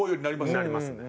なりますね。